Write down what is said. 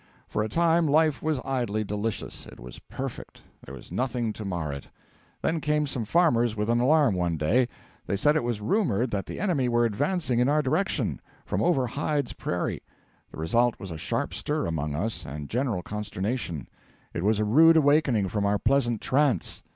For a time, life was idly delicious, it was perfect; there was nothing to mar it. Then came some farmers with an alarm one day. They said it was rumoured that the enemy were advancing in our direction, from over Hyde's prairie. The result was a sharp stir among us, and general consternation. It was a rude awakening from our pleasant trance.